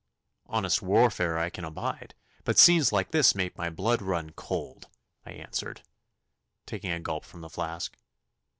'Honest warfare I can abide, but scenes like this make my blood run cold,' I answered, taking a gulp from the flask.